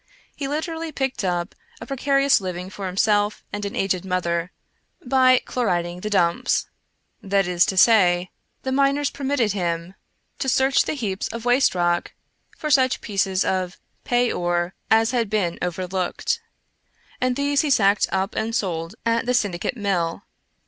He literally picked up a pre carious living for himself and an aged mother by " chlorid ing the dumps," that is to say, the miners permitted him to 99 Anwrican Mystery Stories search the heaps of waste rock for such pieces of " pay ore " as had been overlooked ; and these he sacked up and sold at the Syndicate Mill.